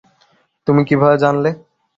তুমি কীভাবে জানলে?